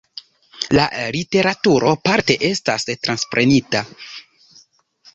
La literaturo parte estas transprenita.